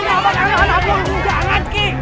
jangan aku mengacu